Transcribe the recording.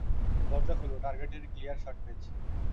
দরজা খুলো - টার্গেটের ক্লিয়ার শট পেয়েছি।